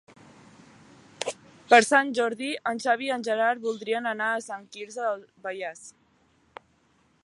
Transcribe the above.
Per Sant Jordi en Xavi i en Gerard voldrien anar a Sant Quirze del Vallès.